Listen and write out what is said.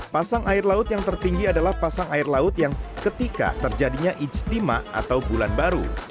pasang air laut yang tertinggi adalah pasang air laut yang ketika terjadinya ijtima atau bulan baru